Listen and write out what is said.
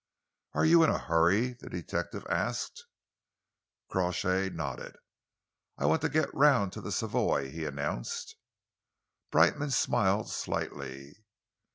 "Are you in a hurry?" the detective asked. Crawshay nodded. "I want to get round to the Savoy," he announced. Brightman smiled slightly.